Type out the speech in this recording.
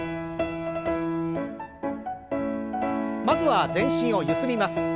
まずは全身をゆすります。